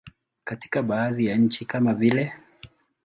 Katika baadhi ya nchi kama vile.